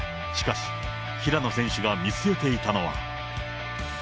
しかし平野選手が見据えていたのは。